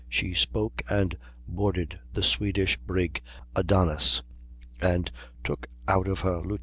she spoke and boarded the Swedish brig Adonis, and took out of her Lieut.